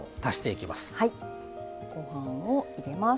はいごはんを入れます。